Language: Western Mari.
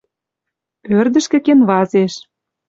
Ӧрдӹжкӹ кенвазеш.